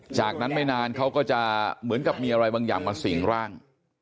จากนั้นไม่นานเขาก็จะเหมือนกับมีอะไรบางอย่างมาสิงร่าง